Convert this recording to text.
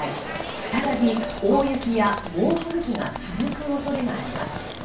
再び大雪や猛吹雪が続く恐れがあります。